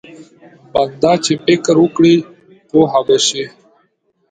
بنده چې فکر وکړي پوه به شي.